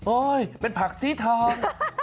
โอ๊ยเป็นผักสีทอง